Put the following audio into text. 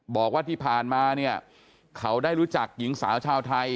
บอกว่าที่ผ่านมาเนี่ยเขาได้รู้จักหญิงสาวชาวไทย